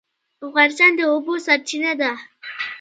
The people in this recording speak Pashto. افغانستان د اوبو سرچینه ده